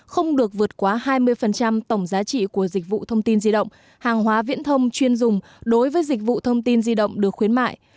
không được vượt quá hai mươi tổng giá trị của dịch vụ thông tin di động hàng hóa viễn thông chuyên dùng đối với dịch vụ thông tin di động được khuyến mại